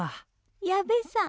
矢部さん。